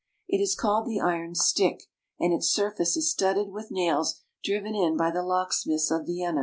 It is called the Iron Stick, and its surface is studded with nails driven in by the locksmiths of Vienna.